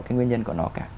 cái nguyên nhân của nó cả